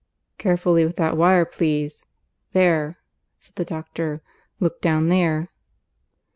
"(Carefully with that wire, please.) There!" said the doctor. "Look down there."